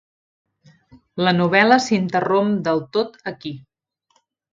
La novel·la s'interromp del tot aquí.